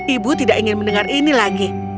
ibu tidak ingin mendengar ini lagi